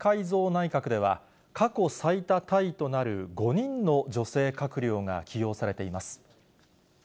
内閣では、過去最多タイとなる５人の女性閣僚が起用されています。